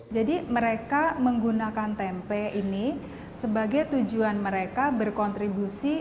mereka menggunakan tempe ini sebagai tujuan mereka berkontribusi